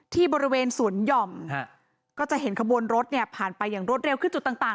ที่บริเวณสวนหย่อมก็จะเห็นขบวนรถเนี่ยผ่านไปอย่างรวดเร็วขึ้นจุดต่าง